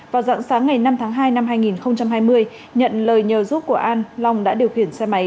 vào dặn sáng ngày năm tháng hai năm hai nghìn hai mươi nhận lời nhờ giúp của an long đã điều khiển xe máy